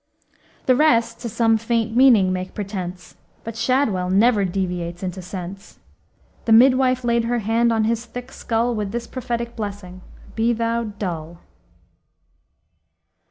"The rest to some faint meaning make pretense, But Shadwell never deviates into sense. ... The midwife laid her hand on his thick skull With this prophetic blessing Be thou dull."